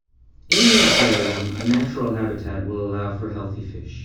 In the aquarium, a natural habitat will allow for healthy fish.